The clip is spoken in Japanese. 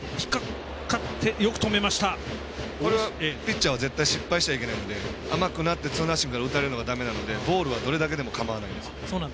ピッチャーは絶対、失敗しちゃいけないので甘くなってツーナッシングから打たれるのだめなので、ボールはどうなってもかまわないんです。